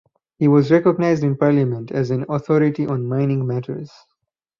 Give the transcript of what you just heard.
He was recognised in parliament as an authority on mining matters.